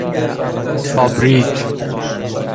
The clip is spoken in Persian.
فابریک